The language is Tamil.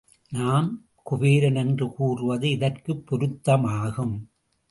நாம் குபேரன் என்று கூறுவது இதற்குப் பொருத்தமாகும்.